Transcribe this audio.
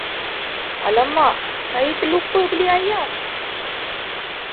Alamak, saya terlupa beli ayam!